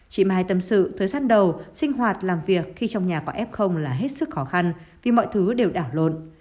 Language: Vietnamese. chị mai tâm sự thời gian đầu sinh hoạt làm việc khi trong nhà của f là hết sức khó khăn vì mọi thứ đều đảo lộn